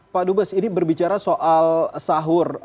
pak dubes ini berbicara soal sahur